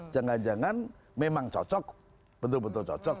jangan jangan memang cocok betul betul cocok